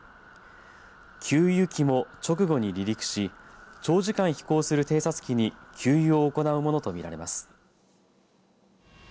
給油機も直後に離陸し長時間飛行する偵察機に給油を行うものと見られます。